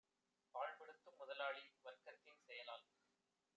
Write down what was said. பாழ்படுத்தும் முதலாளி வர்க்கத்தின் செயலால்